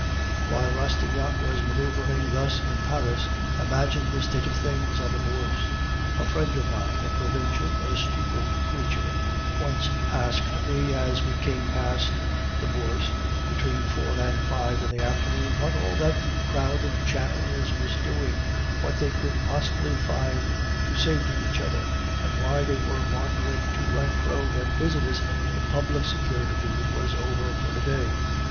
"While Rastignac was manoeuvring thus in Paris, imagine the state of things on the Bourse. A friend of mine, a provincial, a stupid creature, once asked me as we came past the Bourse between four and five in the afternoon what all that crowd of chatterers was doing, what they could possibly find to say to each other, and why they were wandering to and fro when business in public securities was over for the day.